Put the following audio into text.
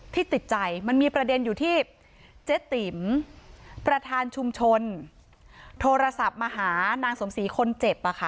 ติดใจมันมีประเด็นอยู่ที่เจ๊ติ๋มประธานชุมชนโทรศัพท์มาหานางสมศรีคนเจ็บ